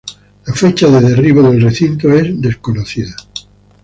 La fecha de derribo del recinto es desconocida.